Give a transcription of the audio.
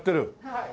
はい。